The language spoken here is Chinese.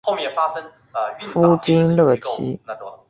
夫金乐琦。